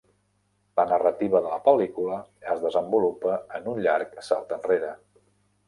La narrativa de la pel·lícula es desenvolupa en un llarg salt enrere.